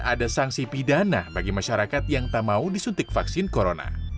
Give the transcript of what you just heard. ada sanksi pidana bagi masyarakat yang tak mau disuntik vaksin corona